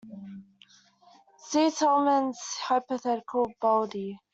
See Tollmann's hypothetical bolide.